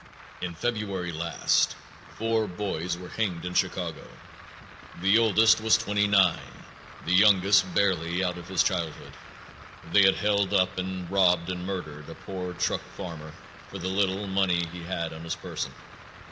In February last, four boys were hanged in Chicago. The oldest was twenty one, the youngest barely out of his childhood. They had held up and robbed and murdered a poor truck farmer for the little money he had on his person.